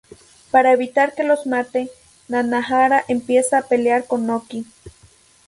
Para evitar que los mate, Nanahara empieza a pelear con Oki.